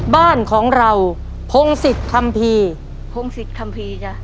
บ้านของเราพงศิษย์คัมภีร์พงศิษยคัมภีร์จ้ะ